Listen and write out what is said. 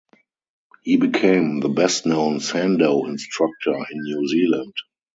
He became the best known Sandow instructor in New Zealand.